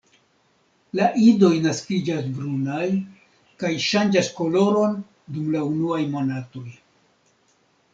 La idoj naskiĝas brunaj kaj ŝanĝas koloron dum la unuaj monatoj.